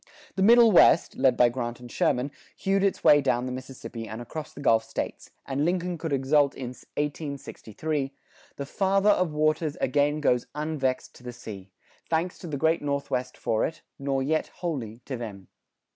The Middle West, led by Grant and Sherman, hewed its way down the Mississippi and across the Gulf States, and Lincoln could exult in 1863, "The Father of Waters again goes unvexed to the sea. Thanks to the great Northwest for it, nor yet wholly to them."